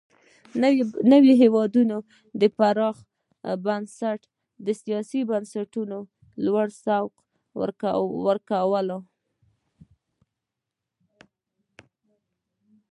نور هېوادونه د پراخ بنسټه سیاسي بنسټونو په لور سوق کول.